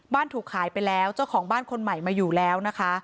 ถูกขายไปแล้วเจ้าของบ้านคนใหม่มาอยู่แล้วนะคะ